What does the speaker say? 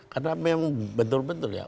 karena memang betul betul ya